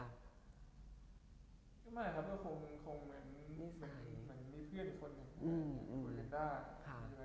ไม่ครับคงเหมือนมีเพื่อนคนเหมือนกันได้